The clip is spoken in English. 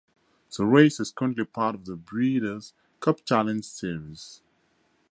The race is currently part of the Breeders' Cup Challenge series.